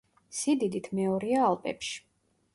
სიდიდით მეორეა ალპებში.